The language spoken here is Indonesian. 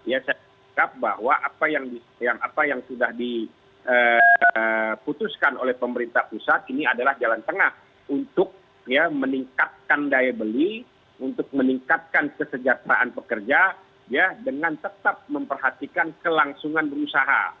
saya tetap bahwa apa yang sudah diputuskan oleh pemerintah pusat ini adalah jalan tengah untuk meningkatkan daya beli untuk meningkatkan kesejahteraan pekerja dengan tetap memperhatikan kelangsungan berusaha